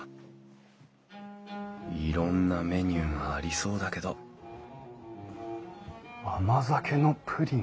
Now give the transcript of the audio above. いろんなメニューがありそうだけど甘酒のプリン。